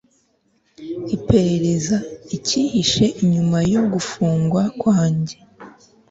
iperereza icyihishe inyuma yo gufungwa kwange